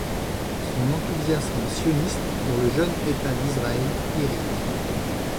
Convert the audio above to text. Son enthousiasme sioniste pour le jeune État d'Israël irrite.